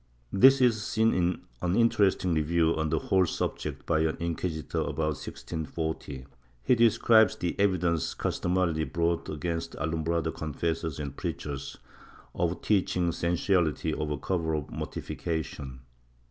This is seen in an interesting review of the whole subject by an inquisitor about 1640. He describes the evidence customarily brought against alumbrado confessors and preachers, of teaching sensuality under cover of mortification.